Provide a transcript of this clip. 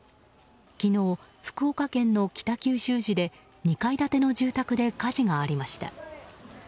昨日、福岡県の北九州市で２階建ての住宅で火事がありました。